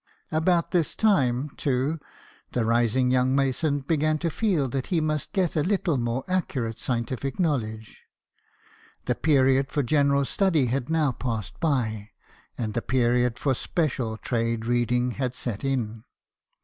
About this time, too, the rising young mason began to feel that he must get a little more accurate scientific knowledge. The period for general study had now passed by, and the period for special trade reading had set in.